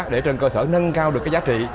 để trên cơ sở nâng cao được cái giá trị